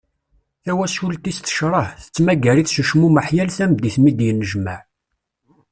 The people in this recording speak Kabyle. Tawacult-is tecreh, tettmagar-it s ucmumeḥ yal tameddit mi d-yennejmaɛ.